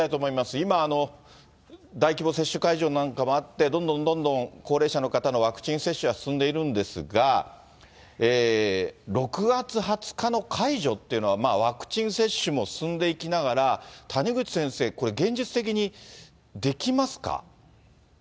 今、大規模接種会場なんかもあって、どんどんどんどん高齢者の方のワクチン接種は進んでいるんですが、６月２０日の解除っていうのは、ワクチン接種も進んでいきながら、谷口先生、これ、現実的にできますか？